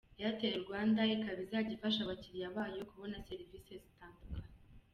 Airtel Rwanda ikaba izajya ifasha abakiriya bayo kubona serivisi zitandukanye.